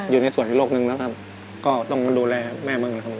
อยู่ในส่วนนี้โลกนึงแหละครับก็ต้องไปดูแลแม่มึงไงครับ